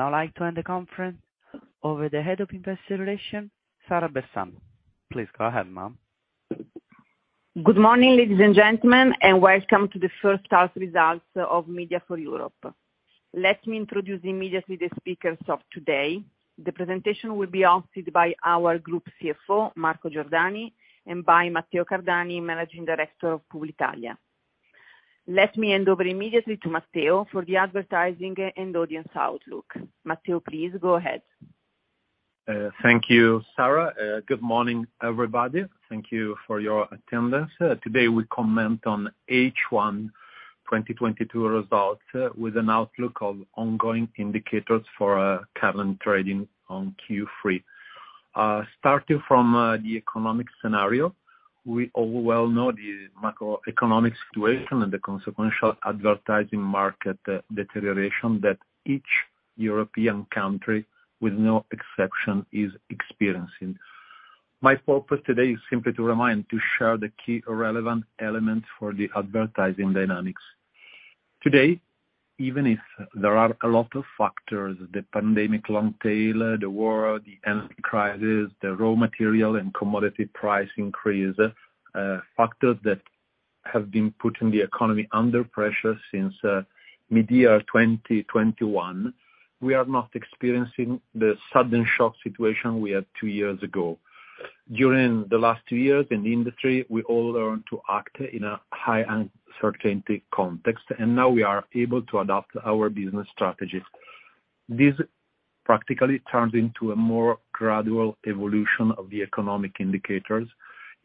I would now like to end the conference. Over to the Head of Investor Relations, Sara Bassan. Please go ahead, ma'am. Good morning, ladies and gentlemen, and welcome to the first half results of MFE-MediaForEurope. Let me introduce immediately the speakers of today. The presentation will be hosted by our Group CFO, Marco Giordani, and by Matteo Cardani, Managing Director of Publitalia. Let me hand over immediately to Matteo for the advertising and audience outlook. Matteo, please go ahead. Thank you, Sara. Good morning, everybody. Thank you for your attendance. Today, we comment on H1 2022 results with an outlook of ongoing indicators for current trading on Q3. Starting from the economic scenario, we all know well the macroeconomic situation and the consequential advertising market deterioration that each European country, with no exception, is experiencing. My purpose today is simply to remind, to share the key relevant elements for the advertising dynamics. Today, even if there are a lot of factors, the pandemic long tail, the war, the energy crisis, the raw material and commodity price increase, factors that have been putting the economy under pressure since mid-year 2021, we are not experiencing the sudden shock situation we had two years ago. During the last two years in the industry, we all learned to act in a high uncertainty context, and now we are able to adapt our business strategies. This practically turns into a more gradual evolution of the economic indicators.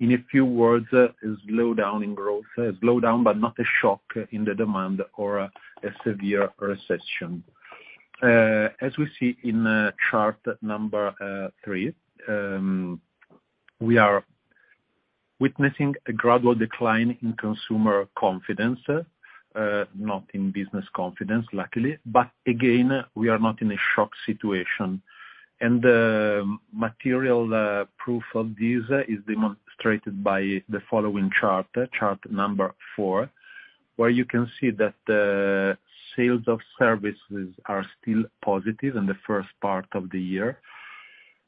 In a few words, a slowdown in growth, but not a shock in the demand or a severe recession. As we see in chart number three, we are witnessing a gradual decline in consumer confidence, not in business confidence, luckily. But again, we are not in a shock situation. Material proof of this is demonstrated by the following chart number four, where you can see that sales of services are still positive in the first part of the year,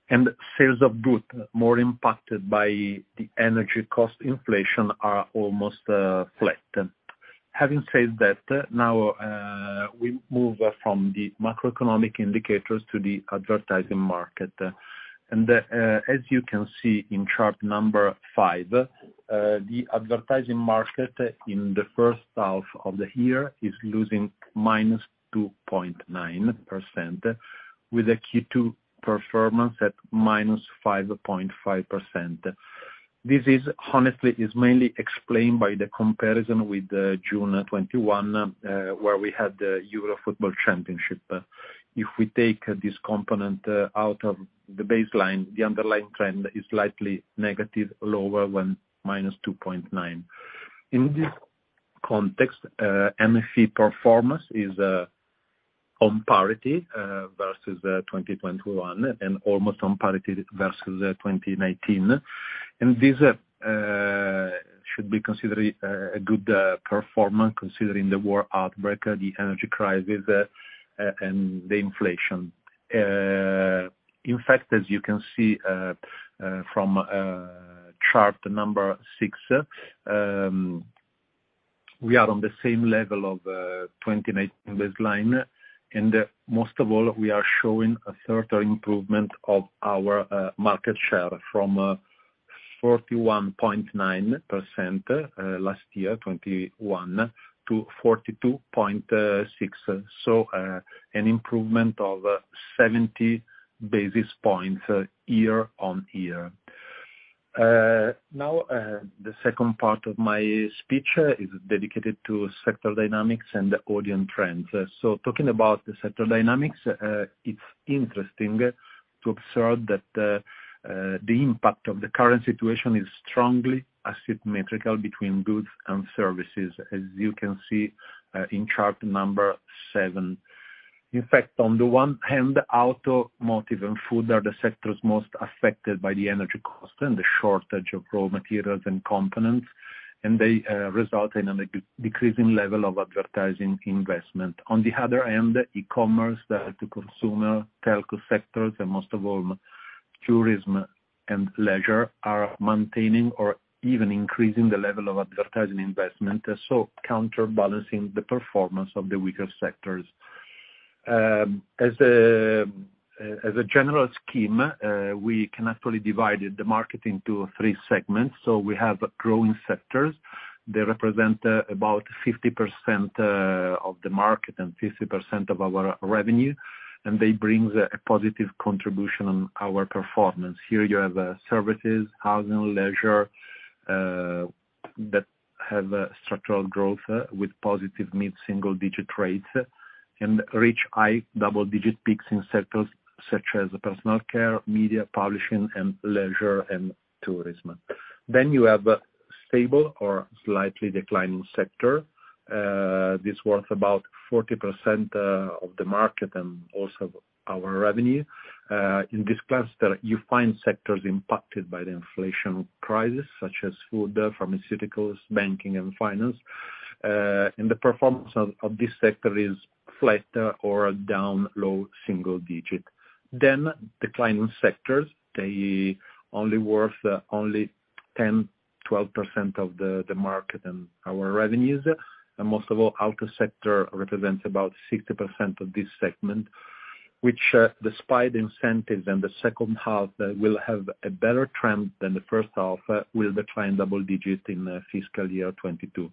and sales of goods more impacted by the energy cost inflation are almost flat. Having said that, now, we move from the macroeconomic indicators to the advertising market. As you can see in chart number five, the advertising market in the first half of the year is losing -2.9% with a Q2 performance at -5.5%. This is, honestly, mainly explained by the comparison with June 2021, where we had the Euro football championship. If we take this component out of the baseline, the underlying trend is slightly negative, lower than -2.9%. In this context, MFE performance is on parity versus 2021 and almost on parity versus 2019. This should be considered a good performance considering the war outbreak, the energy crisis, and the inflation. In fact, as you can see, from chart number six, we are on the same level of 2019 baseline. Most of all, we are showing a certain improvement of our market share from 41.9% last year, 2021, to 42.6. An improvement of 70 basis points year on year. Now, the second part of my speech is dedicated to sector dynamics and audience trends. Talking about the sector dynamics, it's interesting to observe that the impact of the current situation is strongly asymmetrical between goods and services, as you can see, in chart number seven. In fact, on the one hand, automotive and food are the sectors most affected by the energy cost and the shortage of raw materials and components, and they result in a decreasing level of advertising investment. On the other hand, e-commerce, the consumer telco sectors, and most of all, tourism and leisure, are maintaining or even increasing the level of advertising investment. So counterbalancing the performance of the weaker sectors. As a general scheme, we can actually divide the market into three segments. We have growing sectors. They represent about 50% of the market and 50% of our revenue, and they brings a positive contribution on our performance. Here you have services, housing, leisure that have a structural growth with positive mid-single-digit rates and reach high double-digit peaks in sectors such as personal care, media, publishing, and leisure and tourism. You have a stable or slightly declining sector. This worth about 40% of the market and also our revenue. In this cluster, you find sectors impacted by the inflation crisis, such as food, pharmaceuticals, banking and finance. The performance of this sector is flat or down low single-digit. Declining sectors, they only worth 10, 12% of the market and our revenues. Most of all, auto sector represents about 60% of this segment, which despite incentives in the second half will have a better trend than the first half, will decline double-digit in fiscal year 2022.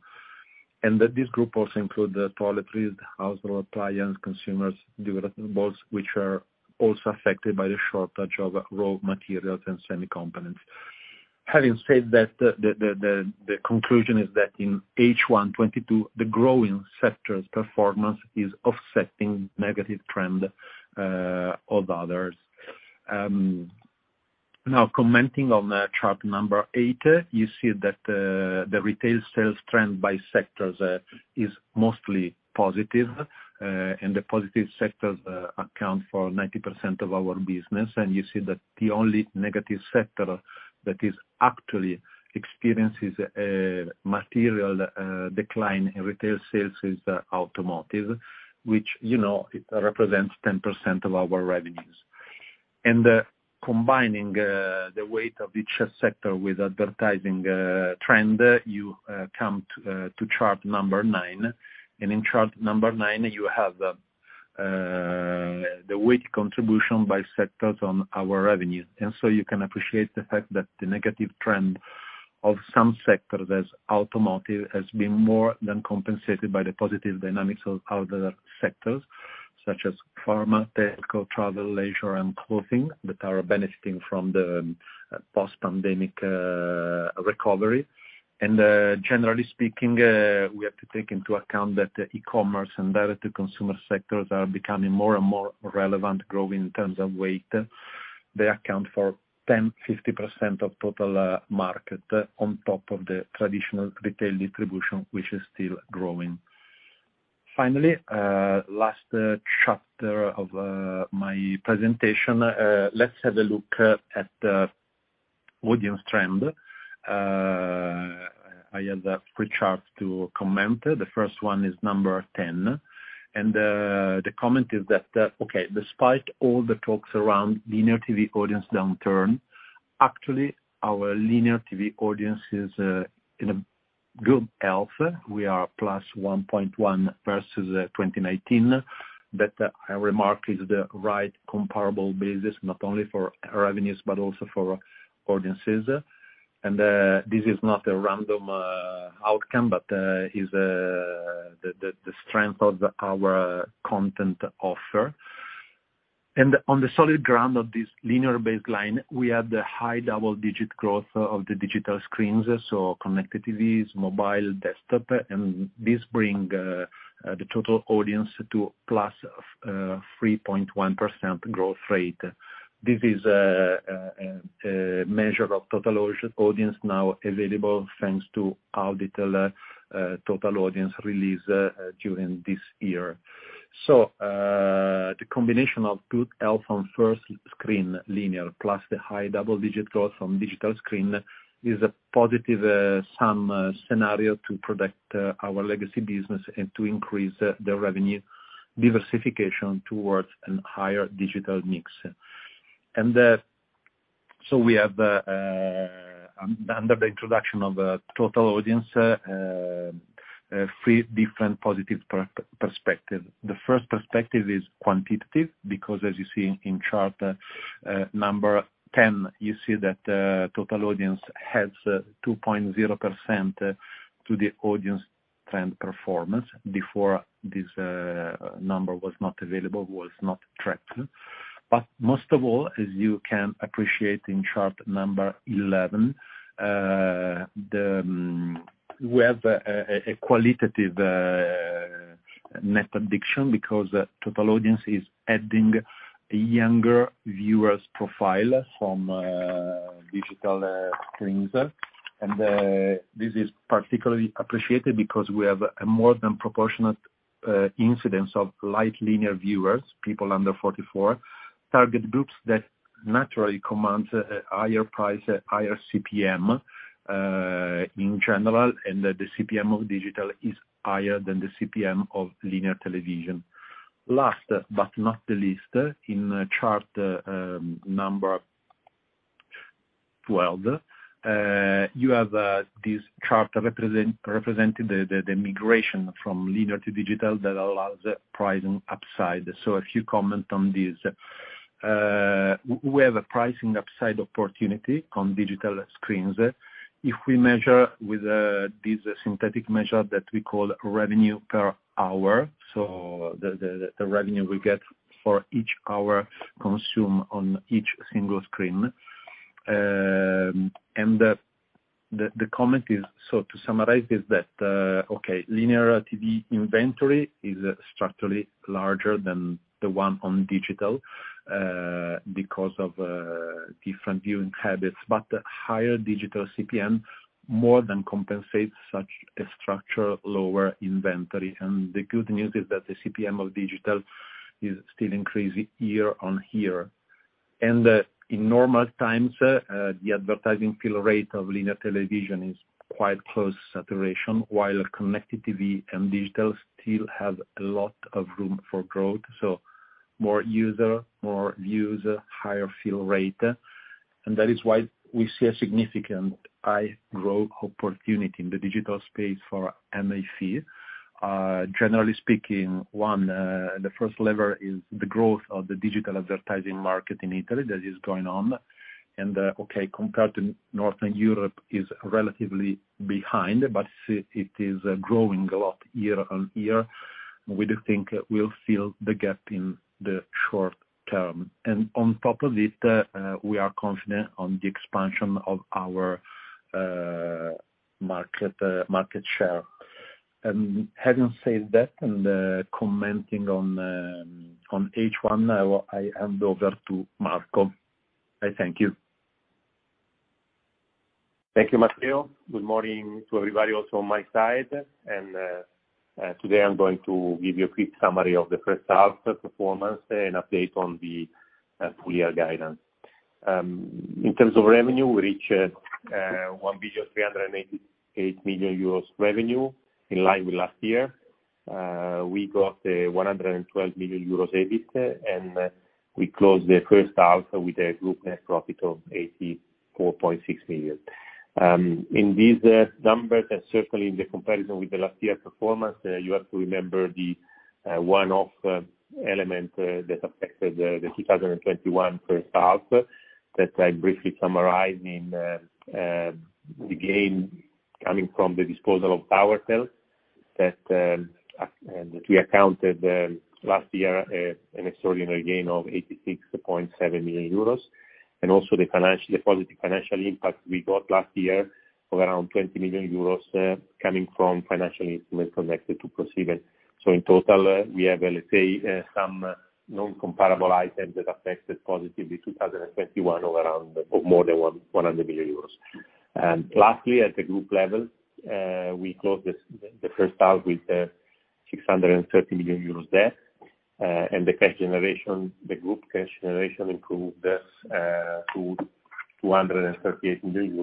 That this group also includes the toiletries, household appliances, consumer durables, which are also affected by the shortage of raw materials and semi-components. Having said that, the conclusion is that in H1 2022, the growing sectors performance is offsetting negative trend of others. Now, commenting on chart number eight, you see that the retail sales trend by sectors is mostly positive, and the positive sectors account for 90% of our business. You see that the only negative sector that is actually experiences material decline in retail sales is automotive, which, you know, it represents 10% of our revenues. Combining the weight of each sector with advertising trend, you come to chart number nine. In chart number nine, you have the weight contribution by sectors on our revenue. You can appreciate the fact that the negative trend of some sectors as automotive has been more than compensated by the positive dynamics of other sectors such as pharma, telco, travel, leisure and clothing that are benefiting from the post-pandemic recovery. Generally speaking, we have to take into account that the e-commerce and direct to consumer sectors are becoming more and more relevant, growing in terms of weight. They account for 10%-50% of total market on top of the traditional retail distribution, which is still growing. Finally, last chapter of my presentation, let's have a look at audience trend. I have three charts to comment. The first one is number 10, and the comment is that, okay, despite all the talks around linear TV audience downturn, actually our linear TV audience is in a good health. We are +1.1 versus 2019. That I remark is the right comparable basis, not only for revenues but also for audiences. This is not a random outcome, but is the strength of our content offer. On the solid ground of this linear baseline, we have the high double digit growth of the digital screens, so connected TVs, mobile, desktop, and this bring the total audience to +3.1% growth rate. This is a measure of total audience now available, thanks to Auditel, total audience release during this year. The combination of good health on first screen linear plus the high double digit growth on digital screen is a positive sum scenario to protect our legacy business and to increase the revenue diversification towards a higher digital mix. We have under the introduction of total audience three different positive perspectives. The first perspective is quantitative, because as you see in chart number 10, you see that total audience helps 2.0% to the audience trend performance. Before this, number was not available, was not tracked. But most of all, as you can appreciate in chart number 11, we have a qualitative net addition because total audience is adding a younger viewers profile from digital screens. This is particularly appreciated because we have a more than proportionate incidence of light linear viewers, people under 44, target groups that naturally commands a higher price, a higher CPM in general. The CPM of digital is higher than the CPM of linear television. Last but not the least, in chart number 12, you have this chart representing the migration from linear to digital that allows pricing upside. A few comment on this. We have a pricing upside opportunity on digital screens. If we measure with this synthetic measure that we call revenue per hour, so the revenue we get for each hour consumed on each single screen. The comment is, to summarize, that linear TV inventory is structurally larger than the one on digital because of different viewing habits. But higher digital CPM more than compensates such a structural lower inventory. The good news is that the CPM of digital is still increasing year-on-year. In normal times, the advertising fill rate of linear television is quite close saturation while connected TV and digital still have a lot of room for growth, so more user, more views, higher fill rate. That is why we see a significant high growth opportunity in the digital space for MEC. Generally speaking, the first lever is the growth of the digital advertising market in Italy that is going on. Compared to Northern Europe, it is relatively behind, but it is growing a lot year on year. We do think we'll fill the gap in the short term. On top of it, we are confident on the expansion of our market share. Having said that, commenting on H1, I hand over to Marco. I thank you. Thank you, Matteo. Good morning to everybody also on my side. Today I'm going to give you a quick summary of the first half performance and update on the full year guidance. In terms of revenue, we reached 1,388 million euros in revenue in line with last year. We got 112 million euros EBIT, and we closed the first half with a group net profit of 84.6 million. In these numbers, certainly in the comparison with the last year performance, you have to remember the one-off element that affected the 2021 first half that I briefly summarize in the gain coming from the disposal of TowerTel that and we accounted last year an extraordinary gain of 86.7 million euros. And also the positive financial impact we got last year of around 20 million euros coming from financial instruments connected to Prosieben. In total, we have, let's say, some non-comparable items that affected positively 2021 of around or more than 100 million euros. Lastly, at the group level, we closed the first half with 630 million euros debt, and the group cash generation improved to 238 million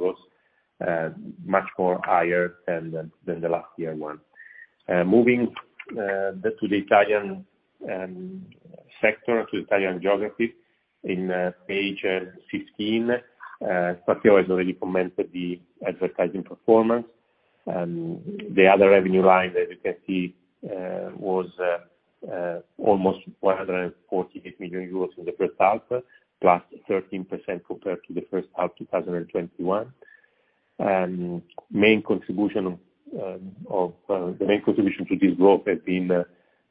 euros, much more higher than the last year one. Moving to the Italian sector, to Italian geography in page 15, Matteo has already commented the advertising performance. The other revenue line, as you can see, was almost 148 million euros in the first half, +13% compared to the first half 2021. The main contribution to this growth has been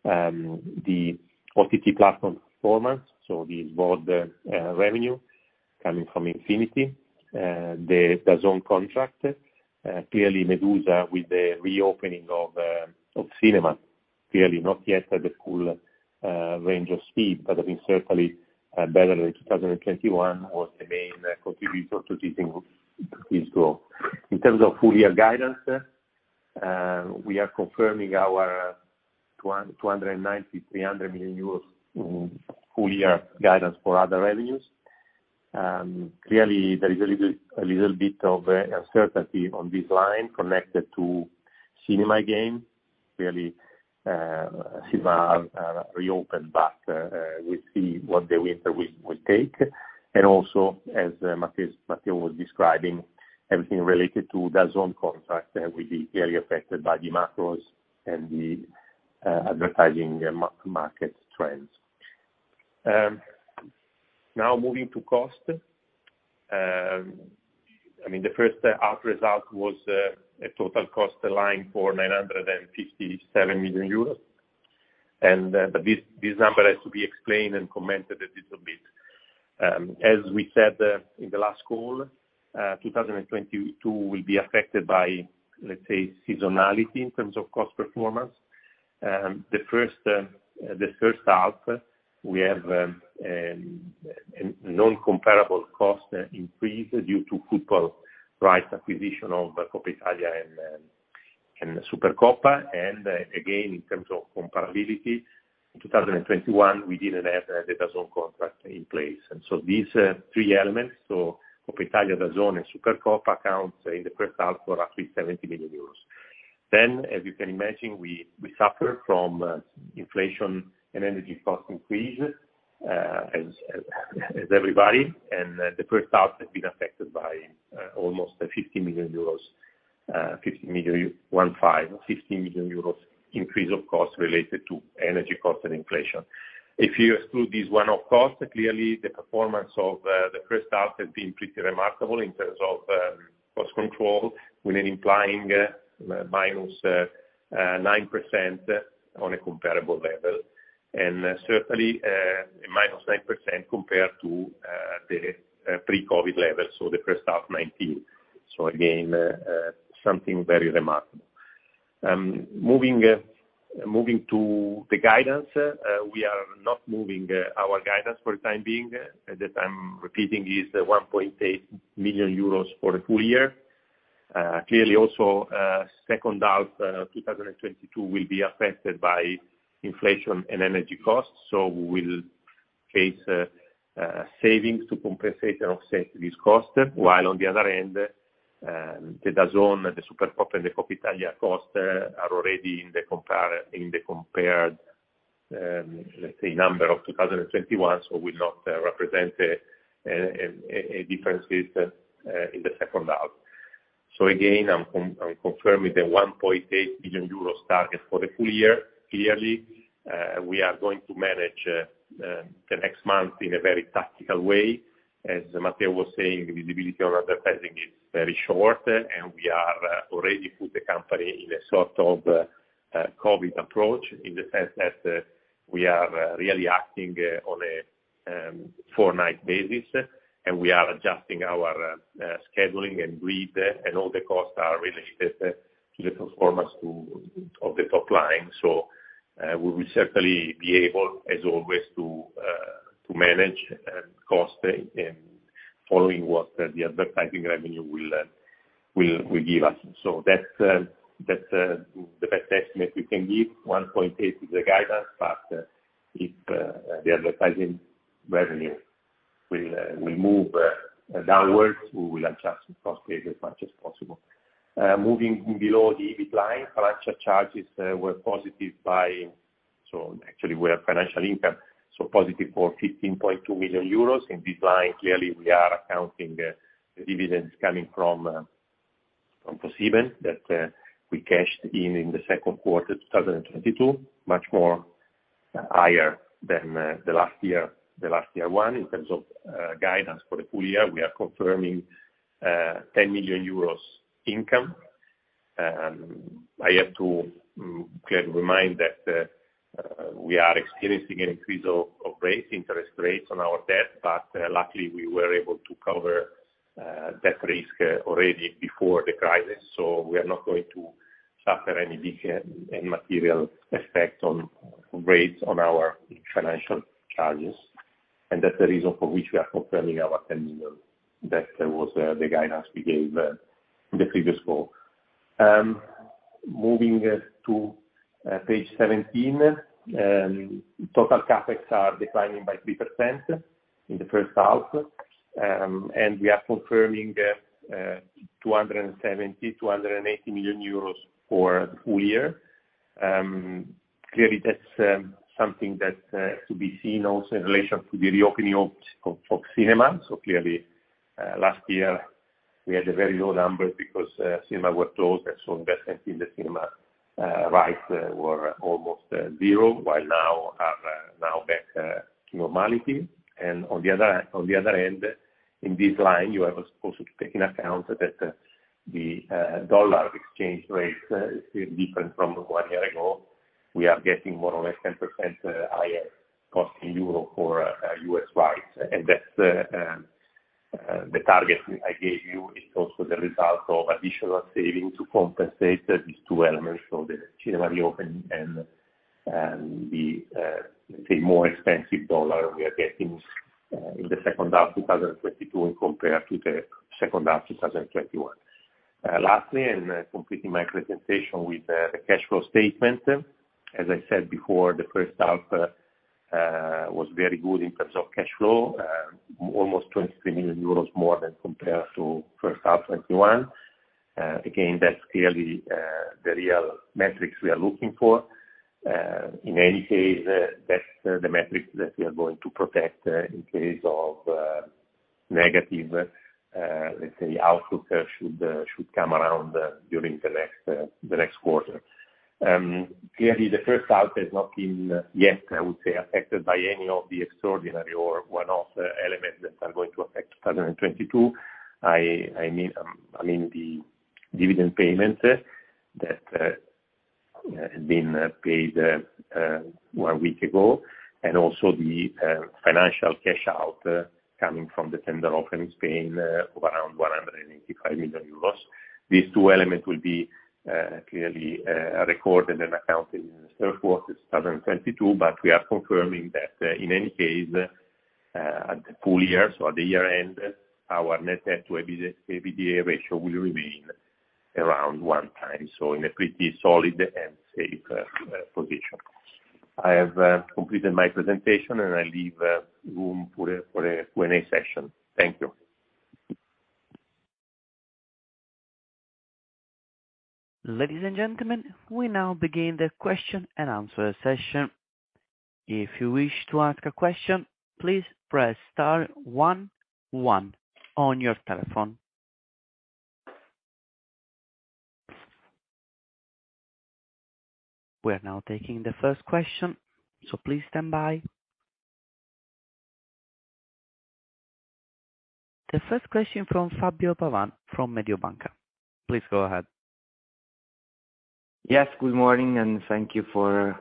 the OTT platform performance, so the involved revenue coming from Infinity, the DAZN contract, clearly Medusa with the reopening of cinema. Clearly not yet at the full range of speed, but I mean, certainly better than 2021 was the main contributor to this growth. In terms of full year guidance, we are confirming our 229-300 million euros full year guidance for other revenues. Clearly there is a little bit of uncertainty on this line connected to cinema again. Clearly, cinemas have reopened, but we see what the winter will take. Also, as Matteo was describing, everything related to the DAZN contract will be clearly affected by the macros and the advertising market trends. Now moving to cost. I mean, the first half result was a total cost line for 957 million euros. But this number has to be explained and commented a little bit. As we said in the last call, 2022 will be affected by, let's say, seasonality in terms of cost performance. The first half, we have non-comparable cost increase due to Coppa rights acquisition of Coppa Italia and Supercoppa. Again, in terms of comparability, in 2021, we didn't have the DAZN contract in place. These three elements, Coppa Italia, DAZN, and Supercoppa account in the first half for at least 70 million euros. As you can imagine, we suffer from inflation and energy cost increase, as everybody. The first half has been affected by almost 50 million euros, 50 million euros increase of cost related to energy cost and inflation. If you exclude these one-off costs, clearly the performance of the first half has been pretty remarkable in terms of cost control with an implying -9% on a comparable level. Certainly, a -9% compared to the pre-COVID levels, the first half 2019. Something very remarkable. Moving to the guidance, we are not moving our guidance for the time being. At this time, repeating is 1.8 million euros for the full year. Clearly also, second half 2022 will be affected by inflation and energy costs, so we'll face savings to compensate and offset these costs. While on the other end, the Coppa Italia and the Supercoppa costs are already in the comparable, let's say number of 2021, so will not represent a difference in the second half. Again, I'm confirming the 1.8 billion euros target for the full year. Clearly, we are going to manage the next month in a very tactical way. As Matteo was saying, the visibility on advertising is very short, and we are already put the company in a sort of COVID approach, in the sense that we are really acting on a fortnight basis, and we are adjusting our scheduling and grid and all the costs are related to the performance of the top line. We will certainly be able, as always, to manage cost and following what the advertising revenue will give us. That's the best estimate we can give 1.8 is the guidance, but if the advertising revenue will move downwards, we will adjust cost base as much as possible. Moving below the EBIT line, financial charges were positive by... Actually we have financial income, so positive for 15.2 million euros. In this line, clearly we are accounting the dividends coming from Prosieben that we cashed in in the second quarter 2022, much more higher than the last year one. In terms of guidance for the full year, we are confirming 10 million euros income. I have to kind of remind that we are experiencing an increase of rates, interest rates on our debt, but luckily we were able to cover that risk already before the crisis. We are not going to suffer any big and material effect on rates on our financial charges. That's the reason for which we are confirming our 10 million. That was the guidance we gave in the previous call. Moving to page 17, total CapEx are declining by 3% in the first half. We are confirming 270-280 million euros for the full year. Clearly that's something that to be seen also in relation to the reopening of cinemas. Clearly, last year we had a very low number because cinemas were closed, and investments in the cinemas were almost zero, while now are back to normality. On the other end, in this line, you have also to take into account that the US dollar exchange rate is still different from one year ago. We are getting more or less 10% higher cost in euros for U.S. rights. That's the target I gave you is also the result of additional savings to compensate these two elements. The cinema reopening and the let's say more expensive dollar we are getting in the second half 2022 compared to the second half 2021. Lastly, completing my presentation with the cash flow statement. As I said before, the first half was very good in terms of cash flow. Almost 23 million euros more than compared to first half 2021. Again, that's clearly the real metrics we are looking for. In any case, that's the metrics that we are going to protect in case of negative, let's say outlook should come around during the next quarter. Clearly the first half has not been yet, I would say, affected by any of the extraordinary or one-off elements that are going to affect 2022. I mean, the dividend payment that has been paid one week ago, and also the financial cash out coming from the tender offer in Spain of around 185 million euros. These two elements will be clearly recorded and accounted in the third quarter 2022, but we are confirming that in any case at the full year, so at the year-end, our net debt to EBITDA ratio will remain around 1x, so in a pretty solid and safe position. I have completed my presentation and I leave room for a Q&A session. Thank you. Ladies and gentlemen, we now begin the question and answer session. If you wish to ask a question, please press star one one on your telephone. We are now taking the first question, so please stand by. The first question from Fabio Pavan, from Mediobanca. Please go ahead. Yes, good morning, and thank you for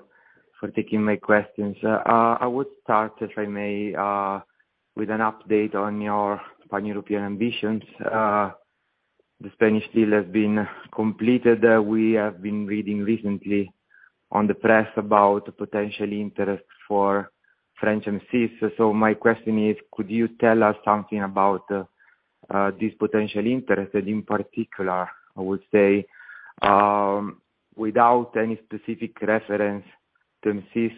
taking my questions. I would start, if I may, with an update on your pan-European ambitions. The Spanish deal has been completed. We have been reading recently In the press about potential interest for France and SIS. My question is, could you tell us something about this potential interest? In particular, I would say, without any specific reference to SIS,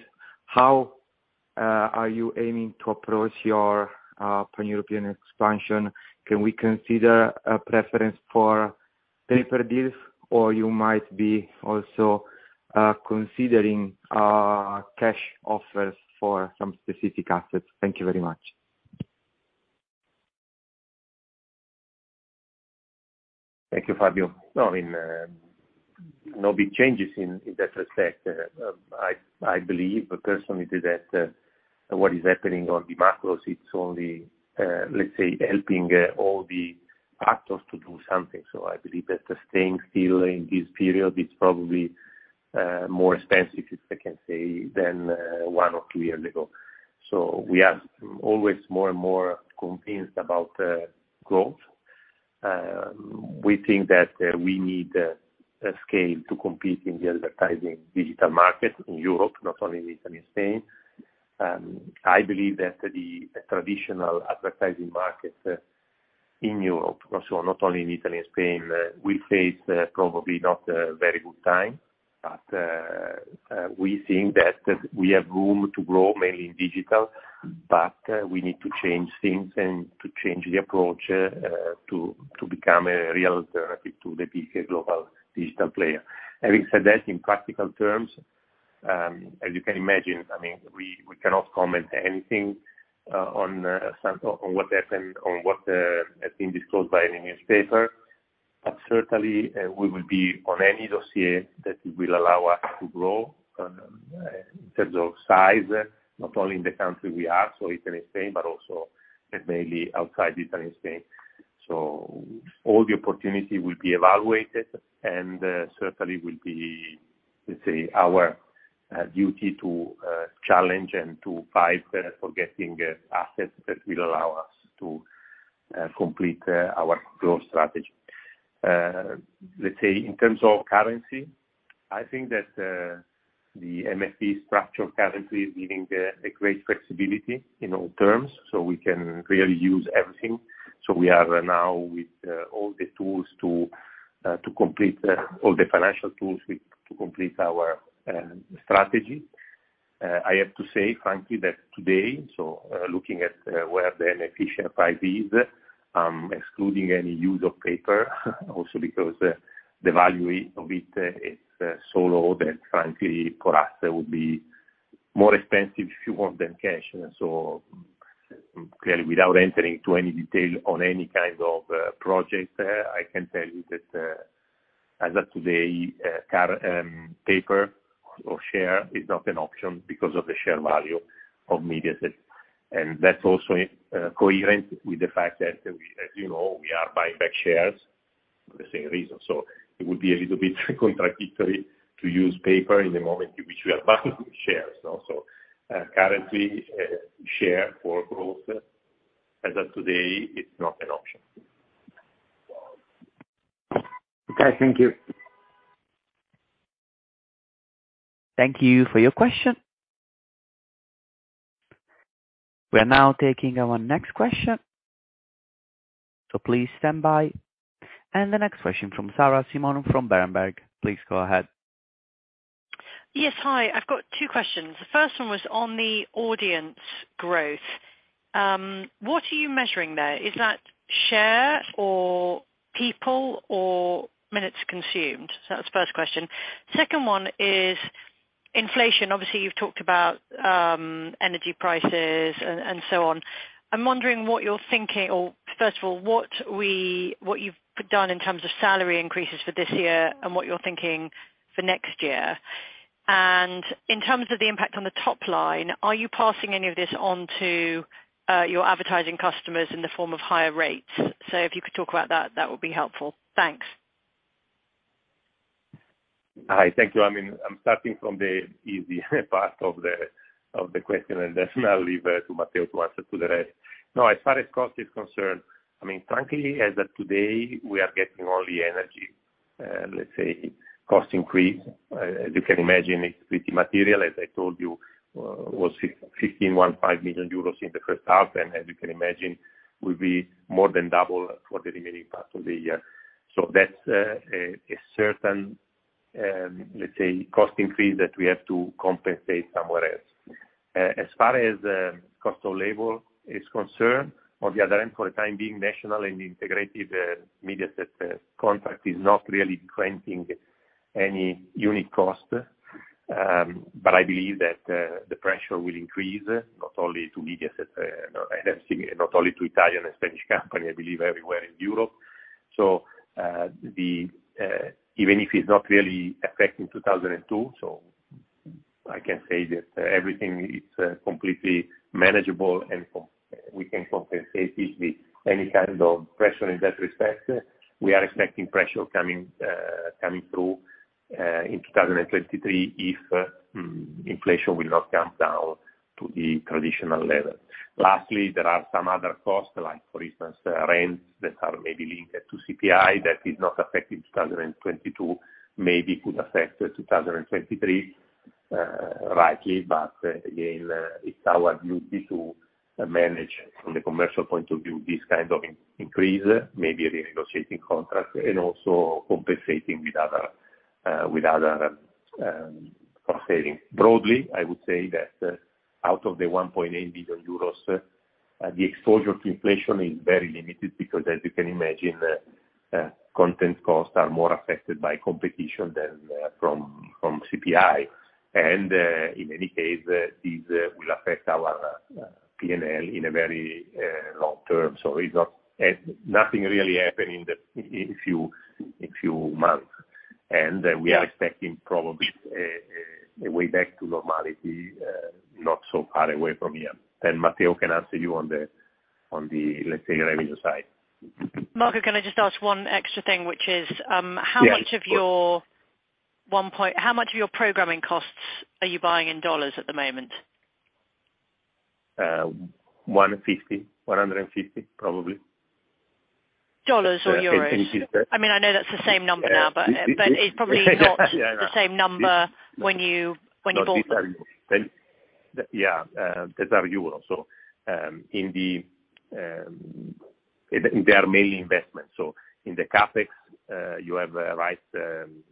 how are you aiming to approach your pan-European expansion? Can we consider a preference for paper deals or you might be also considering cash offers for some specific assets? Thank you very much. Thank you, Fabio. No, I mean, no big changes in that respect. I believe personally that what is happening on the macros, it's only, let's say, helping all the actors to do something. I believe that staying still in this period is probably more expensive, if I can say, than one or two year ago. We are always more and more convinced about growth. We think that we need a scale to compete in the advertising digital market in Europe, not only in Italy and Spain. I believe that the traditional advertising market in Europe, also not only in Italy and Spain, we face probably not a very good time, but we think that we are poised to grow mainly in digital. We need to change things and to change the approach to become a real alternative to the big global digital player. Having said that, in practical terms, as you can imagine, I mean, we cannot comment anything on what happened, on what has been disclosed by any newspaper. Certainly, we will be on any dossier that will allow us to grow in terms of size, not only in the country we are, so Italy and Spain, but also mainly outside Italy and Spain. All the opportunity will be evaluated and certainly will be, let's say, our duty to challenge and to fight for getting assets that will allow us to complete our growth strategy. Let's say in terms of currency, I think that the MFE structure of currency is giving the great flexibility in all terms, so we can really use everything. We are now with all the tools to complete our strategy. I have to say frankly that today, looking at where the beneficial side is, excluding any use of paper, also because the value of it is so low that frankly for us it would be more expensive if you want than cash. Clearly without entering into any detail on any kind of project, I can tell you that as of today, cash paper or share is not an option because of the share value of Mediaset. That's also coherent with the fact that we, as you know, we are buying back shares for the same reason. It would be a little bit contradictory to use paper in the moment in which we are buying shares, you know. Currently, share for growth as of today is not an option. Okay. Thank you. Thank you for your question. We are now taking our next question, so please stand by. The next question from Sarah Simon from Berenberg. Please go ahead. Yes. Hi. I've got two questions. The first one was on the audience growth. What are you measuring there? Is that share or people or minutes consumed? That's the first question. Second one is inflation. Obviously, you've talked about energy prices and so on. I'm wondering what you're thinking or first of all, what you've done in terms of salary increases for this year and what you're thinking for next year. In terms of the impact on the top line, are you passing any of this on to your advertising customers in the form of higher rates? If you could talk about that would be helpful. Thanks. Hi. Thank you. I mean, I'm starting from the easy part of the question, and then I'll leave to Matteo to answer to the rest. No, as far as cost is concerned, I mean, frankly, as of today, we are getting all the energy, let's say, cost increase. As you can imagine, it's pretty material. As I told you, was 15 million euros in the first half, and as you can imagine, will be more than double for the remaining part of the year. That's a certain, let's say, cost increase that we have to compensate somewhere else. As far as cost of labor is concerned, on the other hand for the time being, national and integrated Mediaset contract is not really granting any unique cost. I believe that the pressure will increase not only to Mediaset, and I think not only to Italian and Spanish company, I believe everywhere in Europe. Even if it's not really affecting 2022, I can say that everything is completely manageable and we can compensate easily any kind of pressure in that respect. We are expecting pressure coming through in 2023 if inflation will not come down to the traditional level. Lastly, there are some other costs, like for instance, rents that are maybe linked to CPI that is not affecting 2022, maybe could affect 2023, rightly, but again, it's our duty to manage from the commercial point of view this kind of increase, maybe renegotiating contracts and also compensating with other cost savings. Broadly, I would say that out of the 1.8 billion euros, the exposure to inflation is very limited because as you can imagine, content costs are more affected by competition than from CPI. In any case, these will affect our PNL in a very long term. It's not. Nothing really happened in a few months. We are expecting probably a way back to normality not so far away from here. Matteo can answer you on the, let's say, revenue side. Marco, can I just ask one extra thing, which is, how much of your programming costs are you buying in dollars at the moment? 150, probably. Dollars or euros? I mean, I know that's the same number now, but it's probably not the same number when you bought them. Yeah, they're euro. In their main investment in the CapEx, you have a rights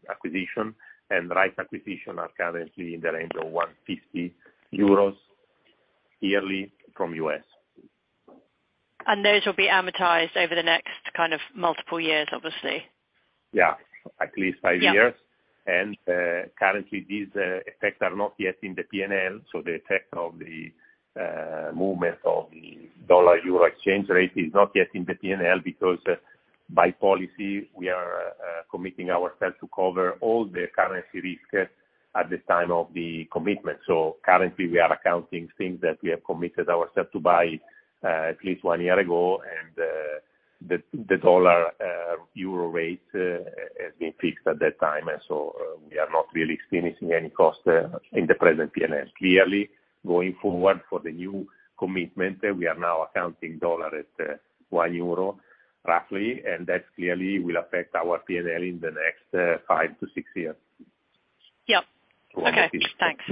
acquisition, and rights acquisition are currently in the range of 150 euros yearly from U.S. Those will be amortized over the next kind of multiple years, obviously. Yeah, at least five years. Currently, these effects are not yet in the PNL. The effect of the movement of the dollar-euro exchange rate is not yet in the PNL because by policy, we are committing ourselves to cover all the currency risk at the time of the commitment. Currently, we are accounting things that we have committed ourselves to buy at least one year ago. The dollar euro rate has been fixed at that time, and we are not really experiencing any cost in the present PNL. Clearly, going forward for the new commitment, we are now accounting dollar at one euro, roughly, and that clearly will affect our PNL in the next five to six years. Yep. Okay, thanks.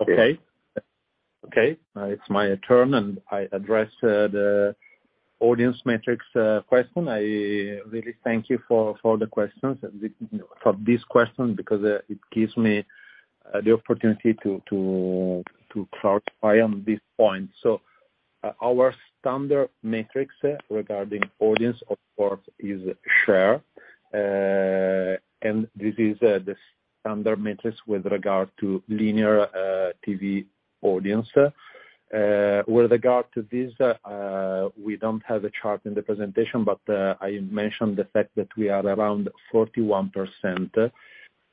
Okay. Okay. It's my turn, and I address the audience metrics question. I really thank you for the questions, for this question because it gives me the opportunity to clarify on this point. Our standard metrics regarding audience, of course, is share, and this is the standard metrics with regard to linear TV audience. With regard to this, we don't have a chart in the presentation, but I mentioned the fact that we are around 41%.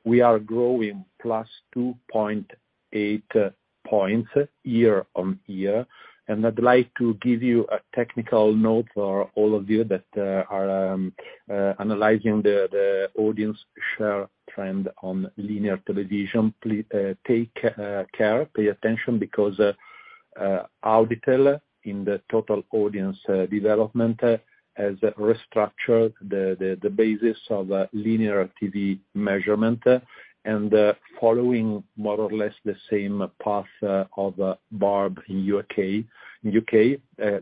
We are growing +2.8 points year-over-year. I'd like to give you a technical note for all of you that are analyzing the audience share trend on linear television. Take care, pay attention because Auditel in the total audience development has restructured the basis of linear TV measurement. Following more or less the same path of Barb, U.K.,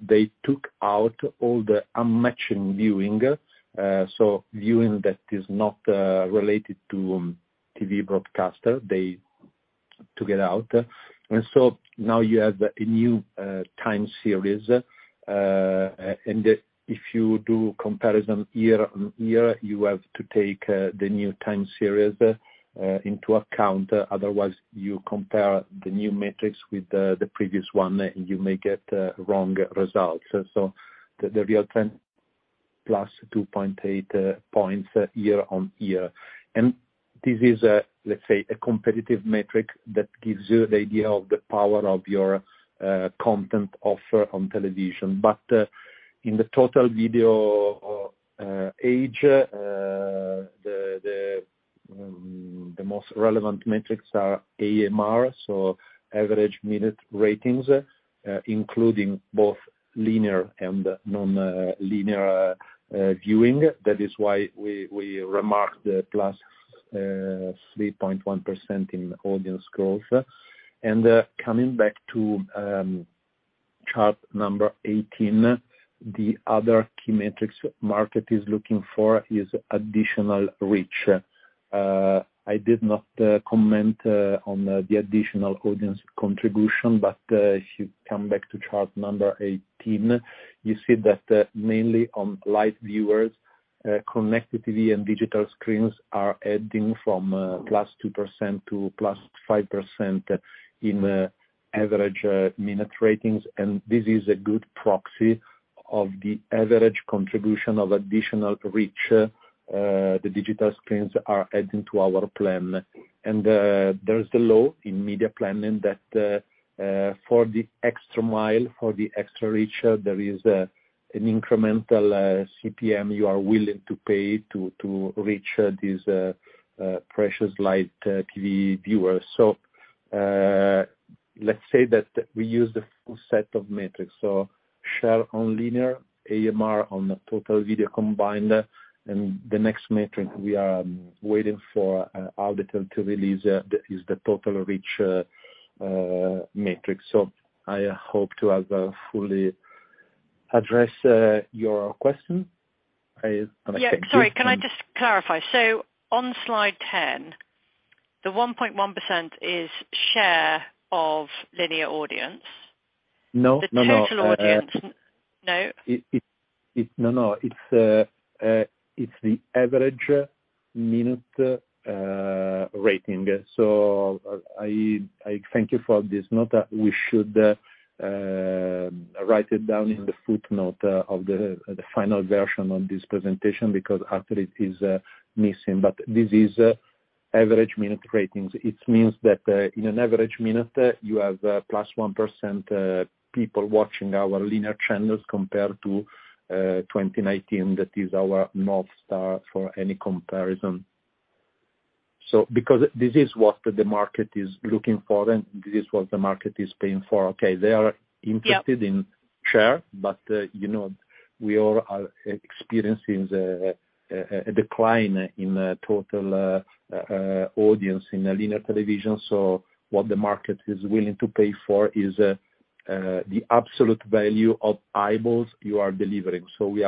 they took out all the unmatched viewing. Viewing that is not related to TV broadcaster, they took it out. Now you have a new time series. If you do comparison year-on-year, you have to take the new time series into account. Otherwise, you compare the new metrics with the previous one, and you may get wrong results. The real trend +2.8 points year-on-year. This is, let's say, a competitive metric that gives you the idea of the power of your content offer on television. In the total video age, the most relevant metrics are AMR, so average minute ratings, including both linear and non-linear viewing. That is why we remarked +3.1% in audience growth. Coming back to chart number 18, the other key metric the market is looking for is additional reach. I did not comment on the additional audience contribution, but if you come back to chart number 18, you see that mainly on live viewers, connected TV and digital screens are adding from +2% to +5% in average minute ratings. This is a good proxy of the average contribution of additional reach, the digital screens are adding to our plan. There's the law in media planning that, for the extra mile, for the extra reach, there is an incremental CPM you are willing to pay to reach these precious live TV viewers. So, let's say that we use the full set of metrics. Share on linear, AMR on the total video combined, and the next metric we are waiting for Auditel to release is the total reach metric. I hope to have fully address your question. I understand- Yeah. Sorry, can I just clarify? On slide 10, the 1.1% is share of linear audience. No, no. The total audience. No? No, it's the average minute rating. I thank you for this note. We should write it down in the footnote of the final version of this presentation because actually it is missing. This is average minute ratings. It means that in an average minute you have +1% people watching our linear channels compared to 2019. That is our North Star for any comparison. Because this is what the market is looking for and this is what the market is paying for, okay? They are interested- Yeah. in share, you know, we all are experiencing the decline in total audience in linear television. What the market is willing to pay for is the absolute value of eyeballs you are delivering. We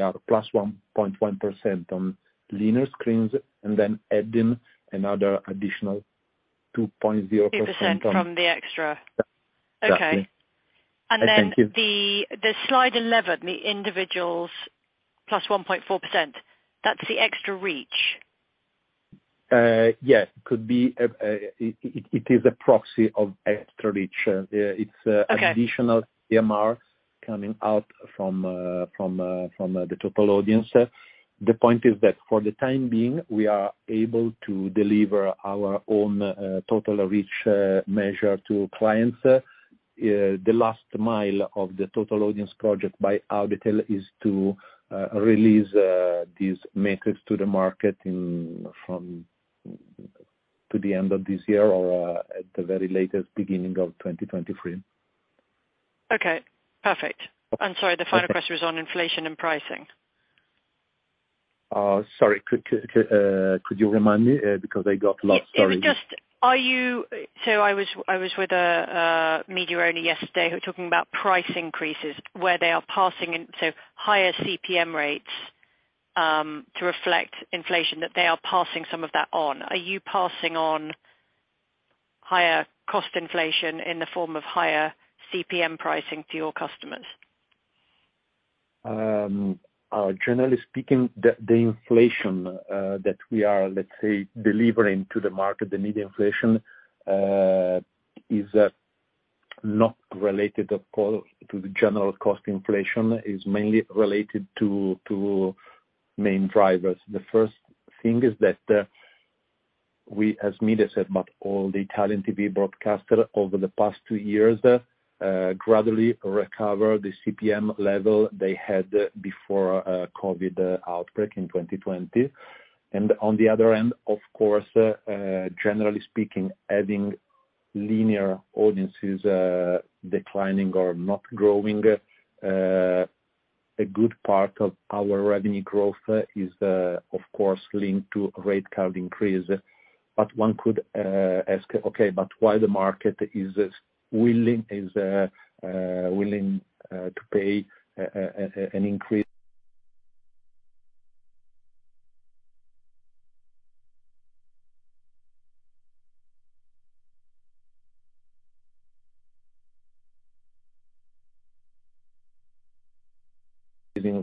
are plus 1.1% on linear screens and then adding another additional 2.0% on- 2% from the extra. Yeah. Okay. Thank you. The slide 11, the individuals plus 1.4%, that's the extra reach? Yes, could be. It is a proxy of extra reach. Okay. ....additional AMR coming out from the total audience. The point is that for the time being, we are able to deliver our own total reach measure to clients. The last mile of the total audience project by Auditel is to release these metrics to the market from the end of this year or at the very latest, beginning of 2023. Okay, perfect. Sorry, the final question is on inflation and pricing. Sorry. Could you remind me? Because I got lost, sorry. I was with a media owner yesterday who were talking about price increases, where they are passing higher CPM rates to reflect inflation, that they are passing some of that on. Are you passing on higher cost inflation in the form of higher CPM pricing to your customers? Generally speaking, the inflation that we are, let's say, delivering to the market, the media inflation, is not related of course to the general cost inflation. It's mainly related to main drivers. The first thing is that we as Mediaset, but all the Italian TV broadcaster over the past two years gradually recover the CPM level they had before the COVID outbreak in 2020. On the other end, of course, generally speaking, having linear audiences declining or not growing, a good part of our revenue growth is of course linked to rate card increase. One could ask, okay, but why the market is willing to pay an increase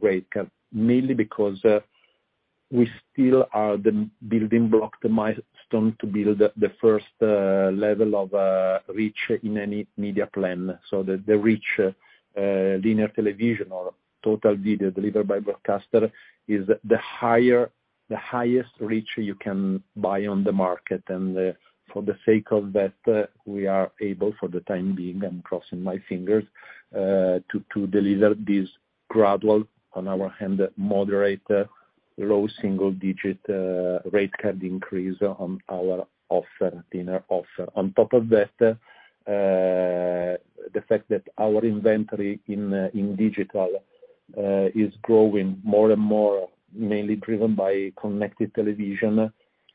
in rate card. Mainly because we still are the building block, the milestone to build the first level of reach in any media plan. The reach linear television or total video delivered by broadcaster is the higher, the highest reach you can buy on the market. For the sake of that, we are able for the time being. I'm crossing my fingers, to deliver this gradual, on our end, moderate low single digit rate card increase on our offer, linear offer. On top of that, the fact that our inventory in digital is growing more and more, mainly driven by connected television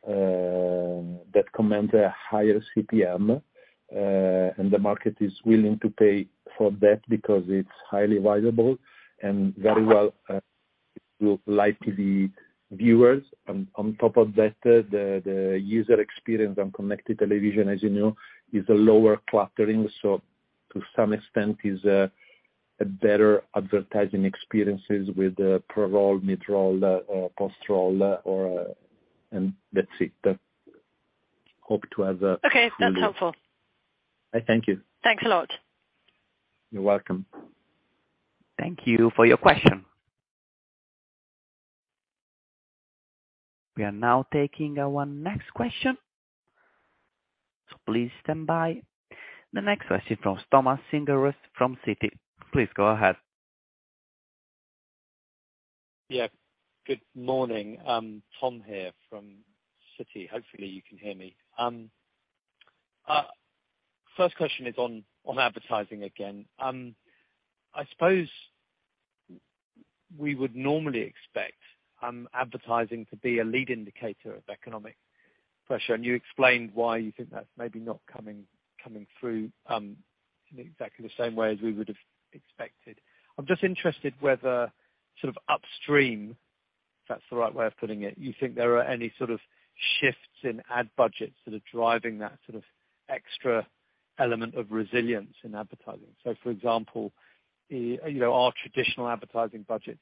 that command a higher CPM and the market is willing to pay for that because it's highly valuable and very well live TV viewers. On top of that, the user experience on connected television, as you know, is a lower cluttering. To some extent is a better advertising experiences with pre-roll, mid-roll, post-roll or. That's it. Hope to have Okay. That's helpful. I thank you. Thanks a lot. You're welcome. Thank you for your question. We are now taking our next question, so please stand by. The next question from Thomas Singlehurst from Citi. Please go ahead. Yeah. Good morning. Thomas here from Citi. Hopefully, you can hear me. First question is on advertising again. I suppose we would normally expect advertising to be a lead indicator of economic pressure, and you explained why you think that's maybe not coming through in exactly the same way as we would have expected. I'm just interested whether sort of upstream, if that's the right way of putting it, you think there are any sort of shifts in ad budgets that are driving that sort of extra element of resilience in advertising. For example, you know, are traditional advertising budgets,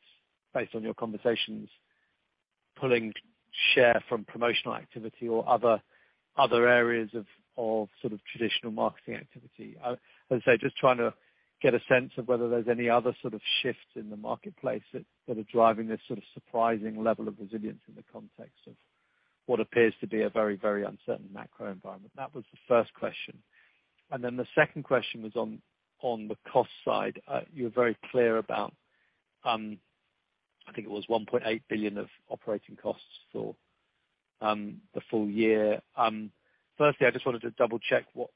based on your conversations, pulling share from promotional activity or other areas of sort of traditional marketing activity? As I say, just trying to get a sense of whether there's any other sort of shifts in the marketplace that are driving this sort of surprising level of resilience in the context of what appears to be a very, very uncertain macro environment. That was the first question. Then the second question was on the cost side. You're very clear about, I think it was 1.8 billion of operating costs for the full year. Firstly, I just wanted to double-check what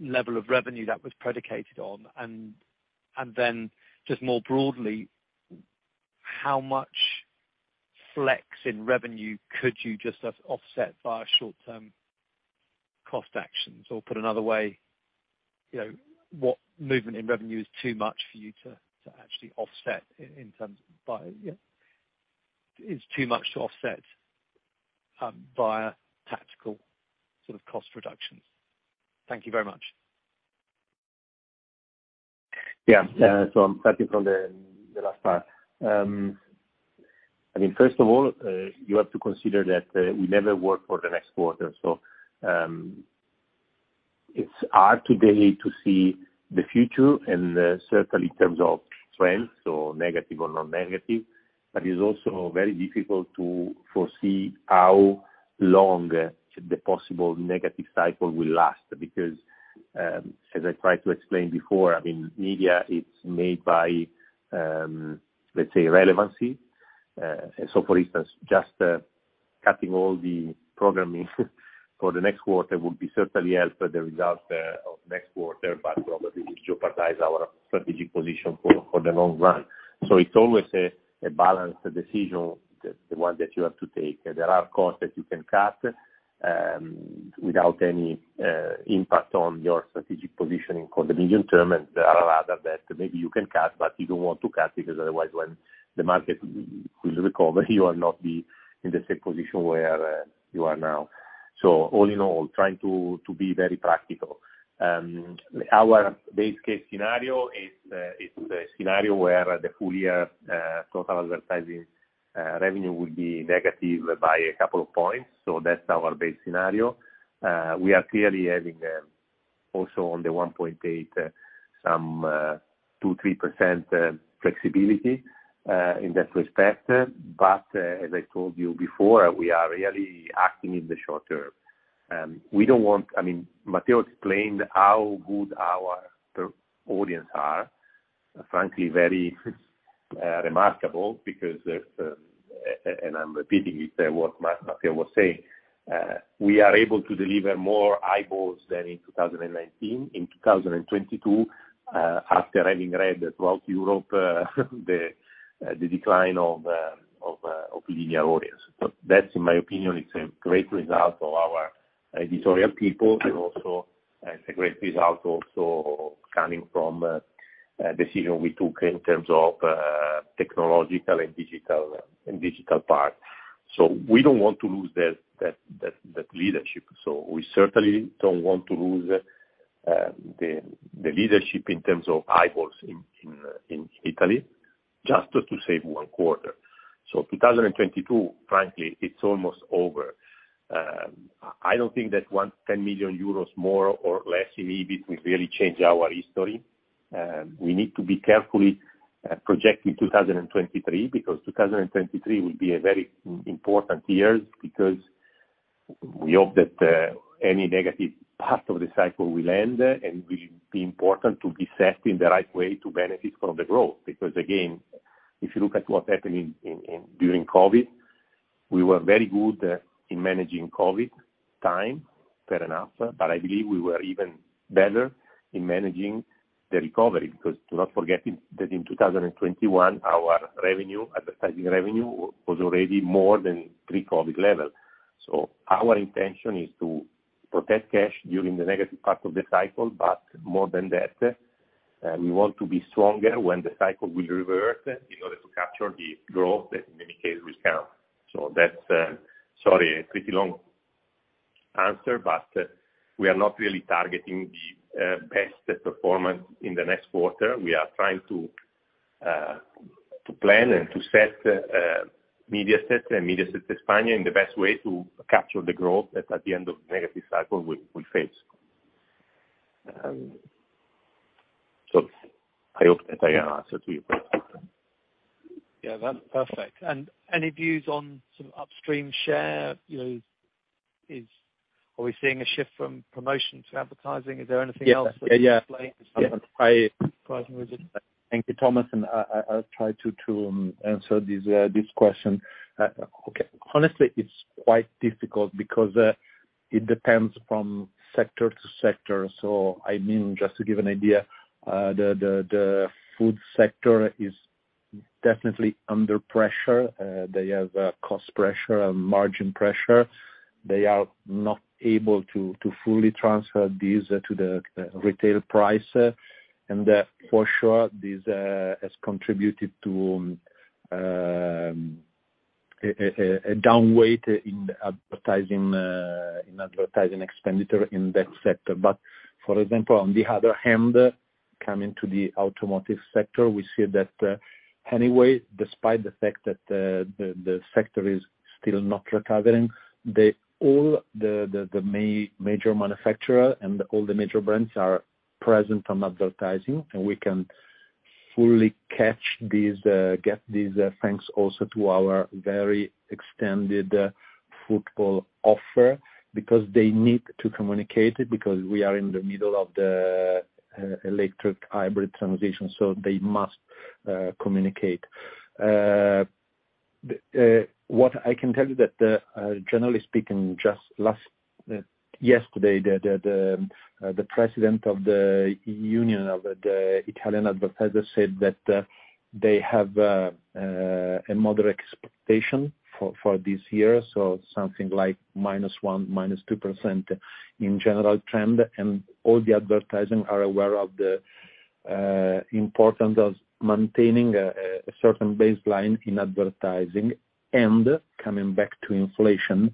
level of revenue that was predicated on. Then just more broadly, how much flex in revenue could you just offset via short-term cost actions? Or put another way, you know, what movement in revenue is too much for you to actually offset in terms of by. You know, is too much to offset via tactical sort of cost reductions? Thank you very much. I'm starting from the last part. I mean, first of all, you have to consider that we never work for the next quarter. It's hard today to see the future and certainly in terms of trends, so negative or non-negative. It's also very difficult to foresee how long the possible negative cycle will last. Because as I tried to explain before, I mean, media is made by, let's say, relevancy. For instance, just cutting all the programming for the next quarter would be certainly help the results of next quarter, but probably would jeopardize our strategic position for the long run. It's always a balanced decision, the one that you have to take. There are costs that you can cut without any impact on your strategic positioning for the medium term, and there are other that maybe you can cut, but you don't want to cut because otherwise when the market will recover, you will not be in the same position where you are now. All in all, trying to be very practical. Our base case scenario is a scenario where the full year total advertising revenue will be negative by a couple of points. That's our base scenario. We are clearly having also on the 1.8 some 2-3% flexibility in that respect. As I told you before, we are really acting in the short term. We don't want. I mean, Matteo explained how good our audience are. Frankly, very remarkable because and I'm repeating what Matteo was saying, we are able to deliver more eyeballs than in 2019, in 2022, after having seen throughout Europe the decline of linear audience. That, in my opinion, is a great result of our editorial people and also, it's a great result also coming from a decision we took in terms of technological and digital part. We don't want to lose that leadership. We certainly don't want to lose the leadership in terms of eyeballs in Italy just to save one quarter. 2022, frankly, it's almost over. I don't think that 10 million euros more or less in EBIT will really change our history. We need to be careful to project in 2023, because 2023 will be a very important year, because we hope that any negative part of the cycle will end, and it will be important to be set in the right way to benefit from the growth. Because again, if you look at what happened during COVID, we were very good in managing COVID time, fair enough, but I believe we were even better in managing the recovery. Because do not forget that in 2021, our revenue, advertising revenue, was already more than pre-COVID level. Our intention is to protect cash during the negative part of the cycle, but more than that, we want to be stronger when the cycle will revert in order to capture the growth that in many cases will come. That's, sorry, a pretty long answer, but we are not really targeting the best performance in the next quarter. We are trying to plan and to set Mediaset and Mediaset Spain in the best way to capture the growth at the end of negative cycle we face. I hope that I answered you. Yeah, that's perfect. Any views on sort of upstream share? You know, are we seeing a shift from promotion to advertising? Is there anything else that would explain this pricing resistance? Thank you, Thomas, and I'll try to answer this question. Okay. Honestly, it's quite difficult because it depends from sector to sector. I mean, just to give an idea, the food sector is definitely under pressure. They have cost pressure and margin pressure. They are not able to fully transfer this to the retail price. For sure this has contributed to a downweight in advertising expenditure in that sector. For example, on the other hand, coming to the automotive sector, we see that, anyway, despite the fact that the sector is still not recovering, all the major manufacturer and all the major brands are present on advertising, and we can fully get these. Thanks also to our very extended football offer because they need to communicate it because we are in the middle of the electric hybrid transition, so they must communicate. What I can tell you that, generally speaking, just yesterday, the president of the union of the Italian advertisers said that they have a moderate expectation for this year, so something like -1%, -2% in general trend. All the advertisers are aware of the importance of maintaining a certain baseline in advertising. Coming back to inflation,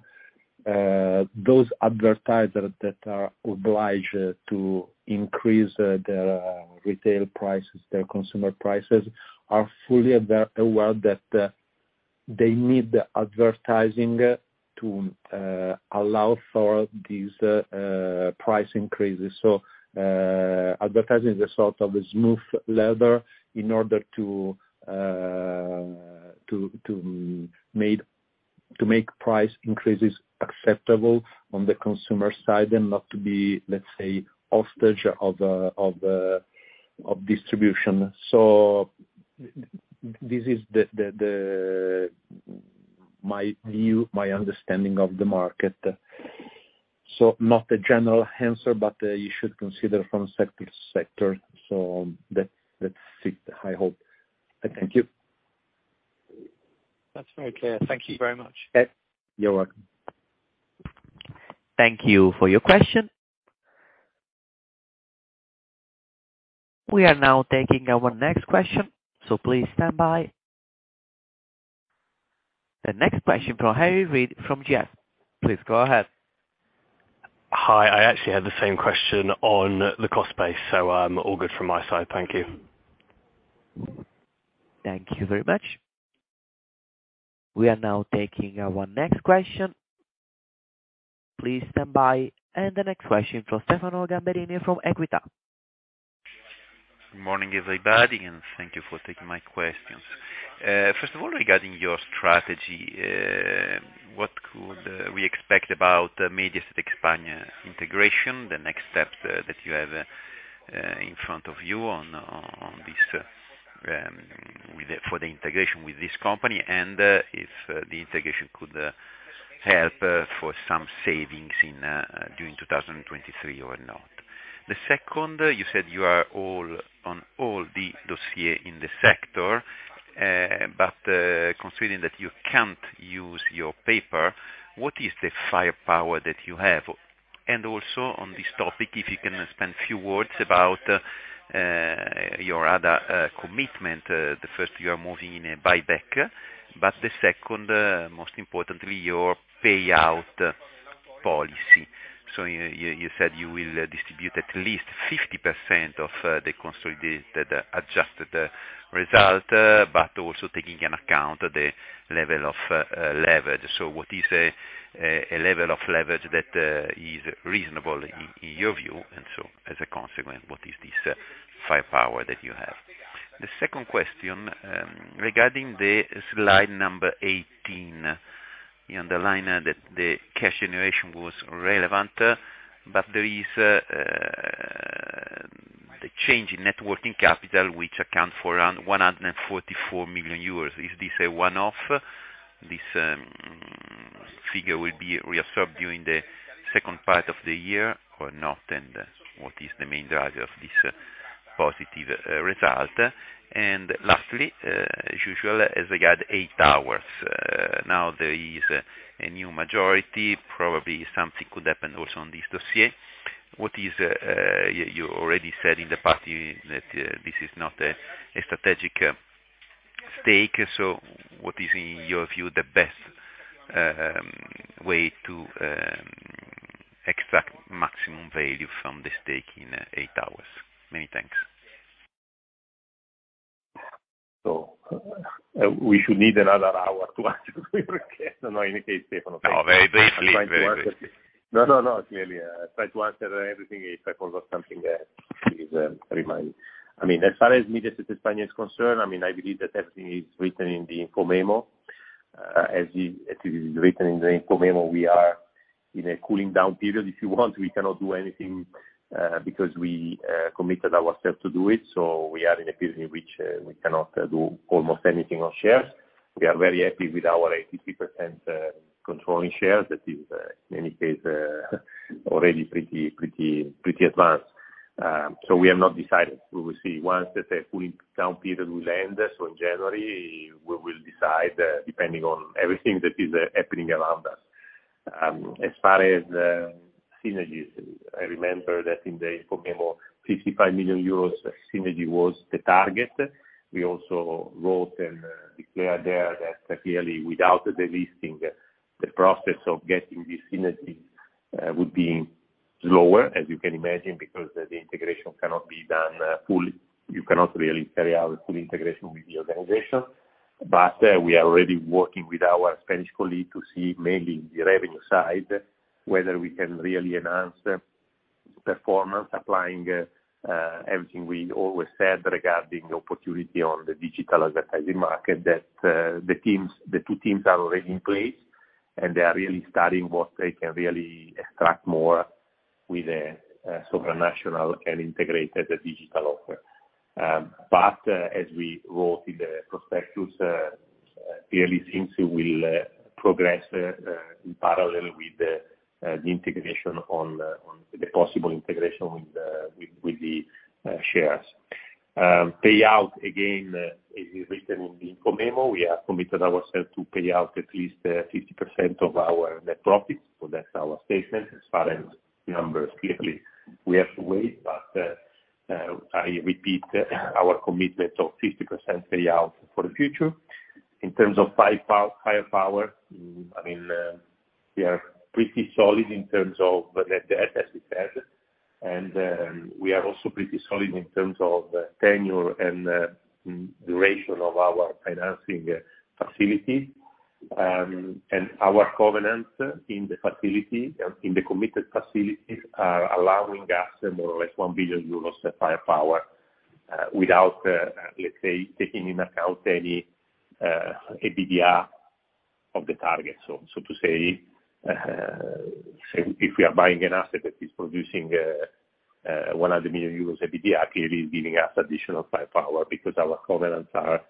those advertisers that are obliged to increase their retail prices, their consumer prices, are fully aware that they need the advertising to allow for these price increases. Advertising is a sort of smooth lever in order to make price increases acceptable on the consumer side and not to be, let's say, hostage of distribution. This is my view, my understanding of the market. Not a general answer, but you should consider from sector to sector. That's it, I hope. Thank you. That's very clear. Thank you very much. You're welcome. Thank you for your question. We are now taking our next question, so please stand by. The next question from Harry Read from Jefferies. Please go ahead. Hi. I actually had the same question on the cost base, so, all good from my side. Thank you. Thank you very much. We are now taking our next question. Please stand by. The next question from Stefano Gamberini from Equita. Good morning, everybody, and thank you for taking my questions. First of all, regarding your strategy, what could we expect about Mediaset España integration, the next steps that you have in front of you on this, with the integration with this company, and if the integration could help for some savings during 2023 or not? The second, you said you are all on all the dossier in the sector, but considering that you can't use your paper, what is the firepower that you have? Also on this topic, if you can spend a few words about your other commitment, the first you are moving in a buyback, but the second, most importantly, your payout policy. You said you will distribute at least 50% of the consolidated adjusted result, but also taking into account the level of leverage. What is a level of leverage that is reasonable in your view? As a consequence, what is this firepower that you have? The second question, regarding the slide number 18, you underline that the cash generation was relevant. But there is the change in net working capital, which account for around 144 million euros. Is this a one-off? This figure will be reabsorbed during the second part of the year or not? What is the main driver of this positive result? Lastly, as usual, as I got EI Towers, now there is a new majority. Probably something could happen also on this dossier. You already said in the past that this is not a strategic stake. What is, in your view, the best way to extract maximum value from the stake in EI Towers? Many thanks. We should need another hour to answer your question. No, in case, Stefano- No, very briefly. Very briefly. No. Clearly, I try to answer everything if I forgot something there. I mean, as far as Mediaset España is concerned, I mean, I believe that everything is written in the info memo. As it is written in the info memo, we are in a cooling down period, if you want. We cannot do anything because we committed ourselves to do it. We are in a period in which we cannot do almost anything on shares. We are very happy with our 83% controlling shares. That is, in any case, already pretty advanced. We have not decided. We will see. Once the cooling down period will end, in January, we will decide depending on everything that is happening around us. As far as synergies, I remember that in the info memo, 55 million euros synergy was the target. We also wrote and declared there that clearly without the delisting, the process of getting the synergy would be lower, as you can imagine, because the integration cannot be done fully. You cannot really carry out full integration with the organization. We are already working with our Spanish colleagues to see mainly the revenue side, whether we can really enhance the performance applying everything we always said regarding the opportunity on the digital advertising market that the two teams are already in place, and they are really studying what they can really extract more with a supranational and integrated digital offer. As we wrote in the prospectus, clearly things will progress in parallel with the integration on the possible integration with the shares. Payout, again, as is written in the info memo, we have committed ourselves to pay out at least 50% of our net profits. That's our statement. As far as numbers, clearly we have to wait, but I repeat our commitment of 50% payout for the future. In terms of firepower, I mean, we are pretty solid in terms of net debt, as we said. We are also pretty solid in terms of tenure and duration of our financing facility. Our covenants in the facility, in the committed facilities are allowing us more or less 1 billion euros of firepower, without, let's say, taking into account any EBITDA of the target. To say if we are buying an asset that is producing 100 million euros EBITDA, clearly it's giving us additional firepower because our covenants are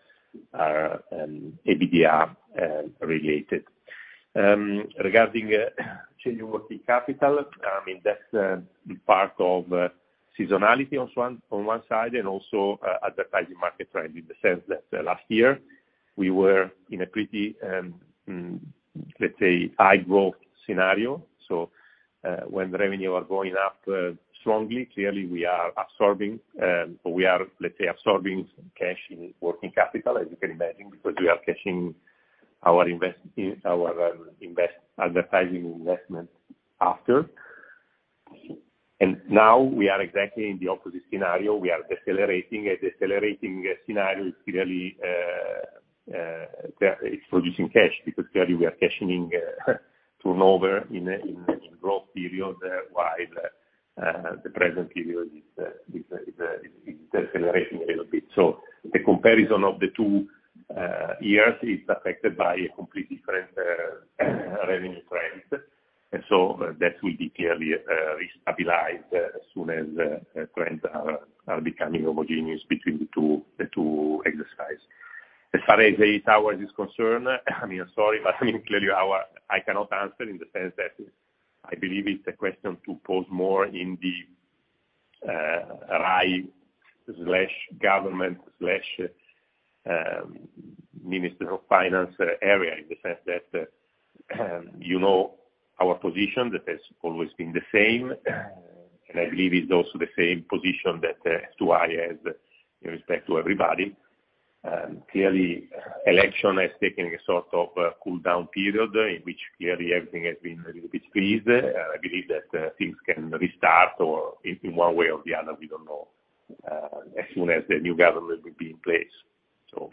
EBITDA related. Regarding change in working capital, I mean, that's part of seasonality on one side, and also advertising market trend, in the sense that last year we were in a pretty, let's say, high growth scenario. When revenues are going up strongly, clearly we are absorbing some cash in working capital, as you can imagine, because we are cashing our advertising investment after. Now we are exactly in the opposite scenario. We are decelerating. A decelerating scenario is clearly producing cash, because clearly we are cashing turnover in a growth period, while the present period is decelerating a little bit. The comparison of the two years is affected by a completely different revenue trend. That will be clearly re-stabilized as soon as trends are becoming homogeneous between the two exercises. As far as Eight Towers is concerned, I mean, sorry, but I mean, clearly I cannot answer in the sense that I believe it's a question to pose more in the RAI slash government slash Ministry of Finance area, in the sense that you know our position that has always been the same, and I believe it's also the same position that S2I has in respect to everybody. Clearly, election has taken a sort of a cool down period in which clearly everything has been a little bit freeze. I believe that things can restart or in one way or the other, we don't know, as soon as the new government will be in place.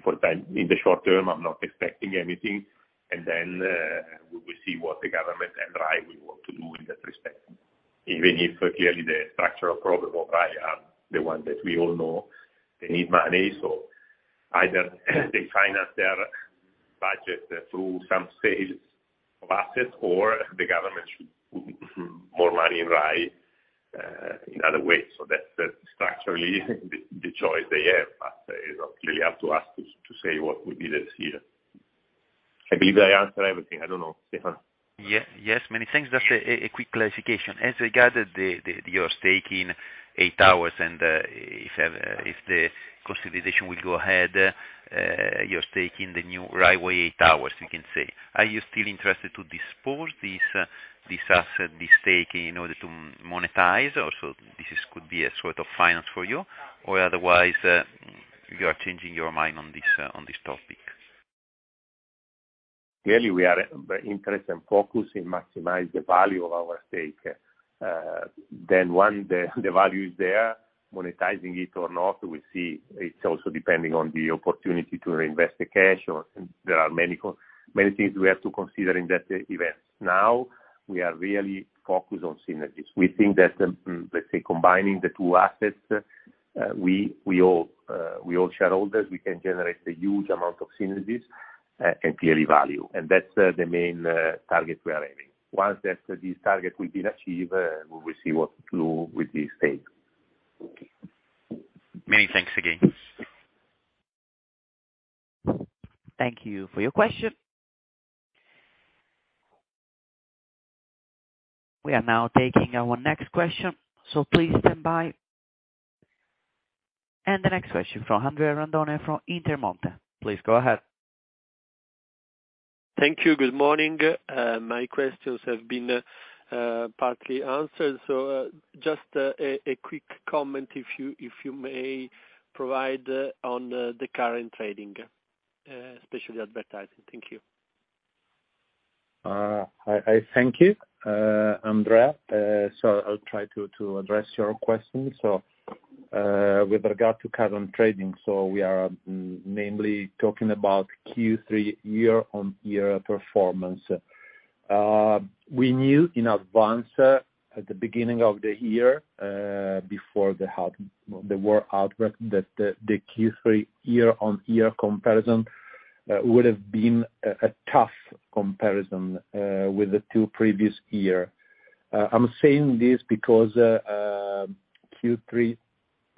For the time, in the short term, I'm not expecting anything. We will see what the government and RAI will want to do in that respect. Even if clearly the structural problem of RAI are the one that we all know they need money, so either they finance their budget through some sales of assets, or the government should put more money in RAI, in other ways. That's structurally the choice they have. You know, clearly you have to ask to say what will be the decision. I believe I answered everything. I don't know, Stefano. Yeah. Yes, many thanks. Just a quick clarification. As regards your stake in Eight Towers and if the consolidation will go ahead, your stake in the new Rai Way EI Towers, you can say, are you still interested to dispose of this asset, this stake in order to monetize? Also, this could be a sort of financing for you or otherwise, you are changing your mind on this topic? Clearly, we are very interested and focused on maximizing the value of our stake. When the value is there, monetizing it or not, we see it's also depending on the opportunity to reinvest the cash or there are many things we have to consider in that event. We are really focused on synergies. We think that, let's say, combining the two assets, we all shareholders can generate a huge amount of synergies and clearly value. That's the main target we are aiming. Once this target will be achieved, we will see what to do with this stake. Many thanks again. Thank you for your question. We are now taking our next question, so please stand by. The next question from Andrea Randone, from Intermonte. Please go ahead. Thank you. Good morning. My questions have been partly answered, so just a quick comment if you may provide on the current trading, especially advertising. Thank you. I thank you, Andrea. I'll try to address your question. With regard to current trading, we are mainly talking about Q3 year-on-year performance. We knew in advance at the beginning of the year before the war outbreak that the Q3 year-on-year comparison would have been a tough comparison with the two previous year. I'm saying this because Q3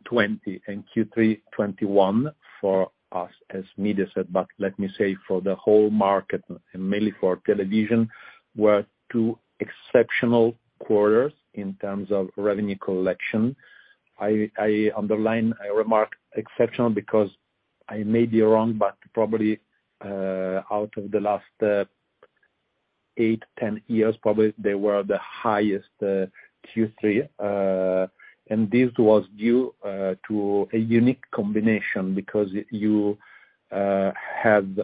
2020 and Q3 2021 for us as Mediaset, but let me say for the whole market and mainly for television, were two exceptional quarters in terms of revenue collection. I underline, I remark exceptional because I may be wrong, but probably out of the last eight, 10 years, probably they were the highest Q3. This was due to a unique combination because you had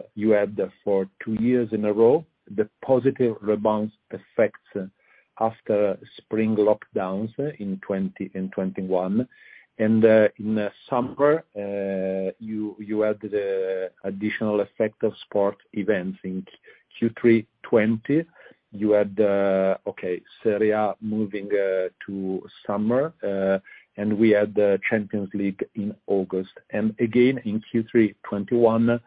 for two years in a row the positive rebound effects after spring lockdowns in 2020 and 2021. In the summer, you had the additional effect of sport events. In Q3 2020, you had Serie A moving to summer and we had the Champions League in August. Again, in Q3 2021,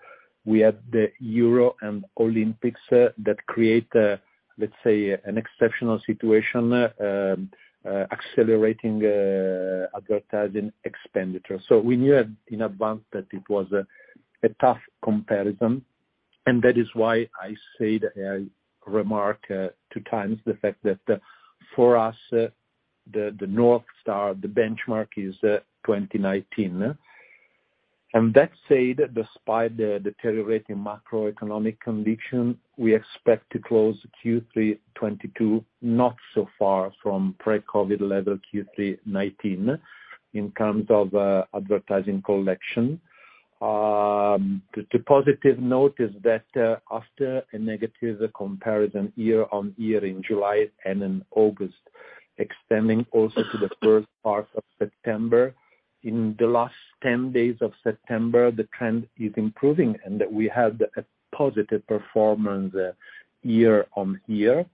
we had the Euro and Olympics that create let's say an exceptional situation accelerating advertising expenditure. We knew it in advance that it was a tough comparison, and that is why I said remark two times the fact that for us the North Star, the benchmark is 2019. That said, despite the deteriorating macroeconomic condition, we expect to close Q3 2022, not so far from pre-COVID level Q3 2019 in terms of advertising collection. The positive note is that after a negative comparison year-on-year in July and in August, extending also to the first part of September. In the last 10 days of September, the trend is improving and we have a positive performance year-on-year.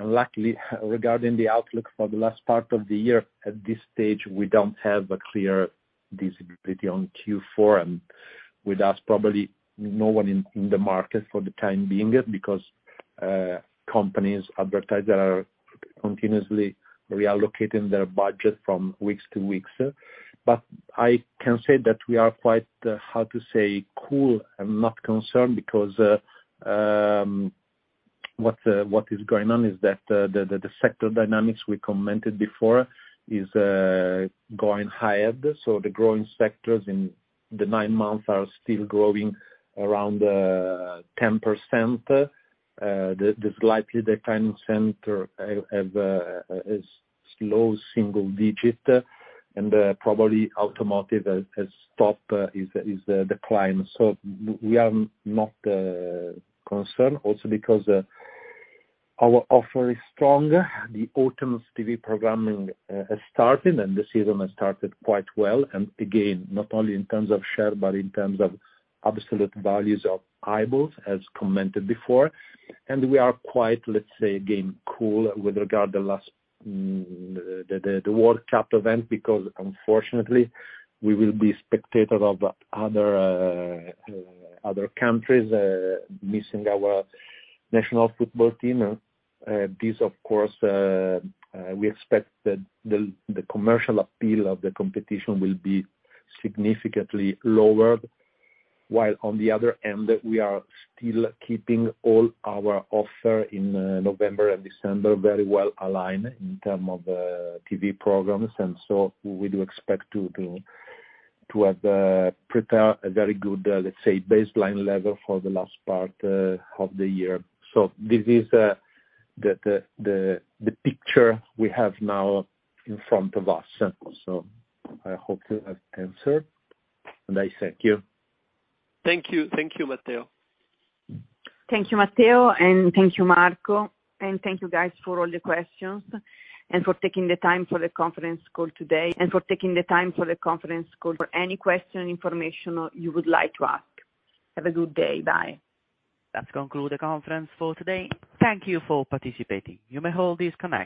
Luckily, regarding the outlook for the last part of the year, at this stage, we don't have a clear visibility on Q4. With us, probably no one in the market for the time being, because companies, advertisers are continuously reallocating their budget from weeks to weeks. I can say that we are quite cool and not concerned because what is going on is that the sector dynamics we commented before are going higher. The growing sectors in the nine months are still growing around 10%, the slightly declining sectors are low single-digit and probably automotive has stopped its climb. We are not concerned also because our offer is strong. The autumn TV programming has started, and the season has started quite well. Again, not only in terms of share, but in terms of absolute values of eyeballs, as commented before. We are quite, let's say, again, cool with regard to the last World Cup event because unfortunately we will be spectators of other countries, missing our national football team. This of course we expect that the commercial appeal of the competition will be significantly lower. While on the other end, we are still keeping all our offer in November and December very well aligned in terms of TV programs. We do expect to prepare a very good, let's say, baseline level for the last part of the year. This is the picture we have now in front of us. I hope you have answered, and I thank you. Thank you. Thank you, Matteo. Thank you, Matteo, and thank you, Marco. Thank you guys for all the questions and for taking the time for the conference call today, and for taking the time for the conference call for any question, information you would like to ask. Have a good day. Bye. That concludes the conference for today. Thank you for participating. You may all disconnect.